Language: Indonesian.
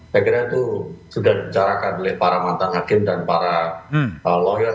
saya kira itu sudah dicarakan oleh para mantan hakim dan para lawyer